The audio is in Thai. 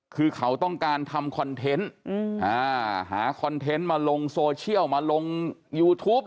คือเขาต้องการทำคอนเทนต์หาคอนเทนต์มาลงโซเชียลมาลงยูทูป